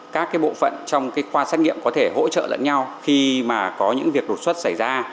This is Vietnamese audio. các cái bộ phận trong cái khoa sát nghiệm có thể hỗ trợ lẫn nhau khi mà có những việc đột xuất xảy ra